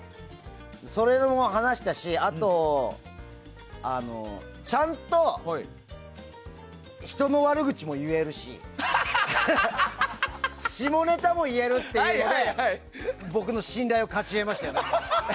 それも話したしあとちゃんと人の悪口も言えるし下ネタも言えるっていうので僕の信頼を勝ち得ましたよね。